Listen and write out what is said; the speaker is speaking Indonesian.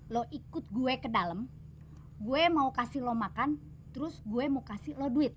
lo ikut gue ke dalam gue mau kasih lo makan terus gue mau kasih lo duit